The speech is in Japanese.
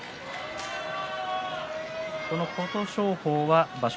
琴勝峰は場所